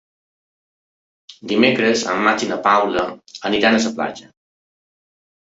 Dimecres en Max i na Paula aniran a la platja.